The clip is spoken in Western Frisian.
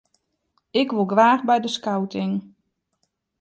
Ik wol graach by de skouting.